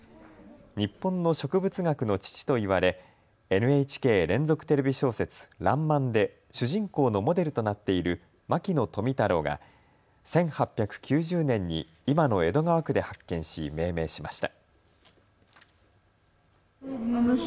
日本の植物学の父と言われＮＨＫ連続テレビ小説らんまんで主人公のモデルとなっている牧野富太郎が１８９０年に今の江戸川区で発見し命名しました。